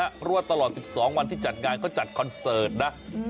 เพราะว่าตลอด๑๒วันที่จัดงานเขาจัดคอนเสิร์ตนะ